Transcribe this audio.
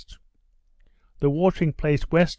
the watering place W.